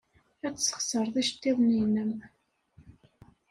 Ad tesxeṣreḍ iceḍḍiḍen-nnem.